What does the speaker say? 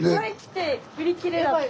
売り切れやった。